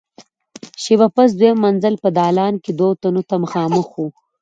شېبه پس د دويم منزل په دالان کې دوو تنو ته مخامخ وو.